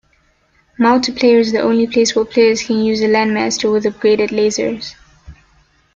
Multiplayer is the only place where players can use a Landmaster with upgraded lasers.